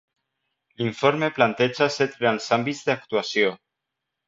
L'informe planteja set grans àmbits d'actuació.